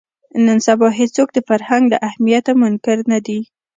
نن سبا هېڅوک د فرهنګ له اهمیته منکر نه دي